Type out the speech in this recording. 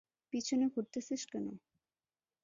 পিছনে ঘুরতেছিস কেন?